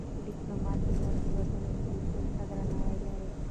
ډيپلومات د نورو هېوادونو کلتور ته درناوی لري.